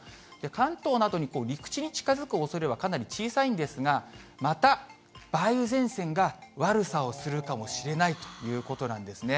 関東などに、陸地に近づくおそれはかなり小さいんですが、また梅雨前線が悪さをするかもしれないということなんですね。